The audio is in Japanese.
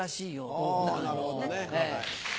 あなるほどね。